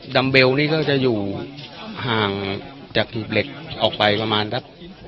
ัมเบลนี่ก็จะอยู่ห่างจากหีบเหล็กออกไปประมาณสัก